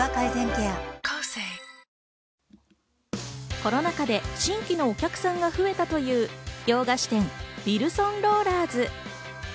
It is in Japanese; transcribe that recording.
コロナ禍で新規のお客さんが増えたという洋菓子店・ビルソンローラーズ。